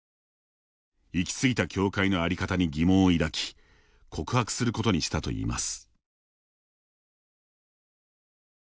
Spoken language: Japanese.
行き過ぎた教会のあり方に疑問を抱き告白することにしたといいます。